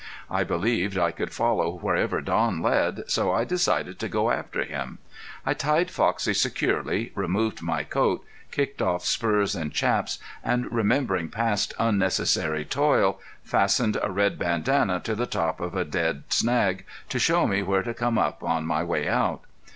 I believed I could follow wherever Don led, so I decided to go after him. I tied Foxie securely, removed my coat, kicked off spurs and chaps, and remembering past unnecessary toil, fastened a red bandana to the top of a dead snag to show me where to come up on my way out.